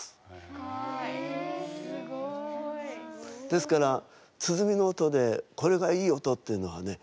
ですから鼓の音でこれがいい音っていうのはね